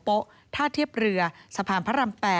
โปะท่าเทียบเรือสวนหลวงพระราม๘